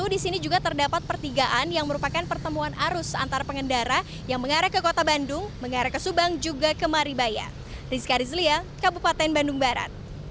di sini juga terdapat pertigaan yang merupakan pertemuan arus antar pengendara yang mengarah ke kota bandung mengarah ke subang juga ke maribaya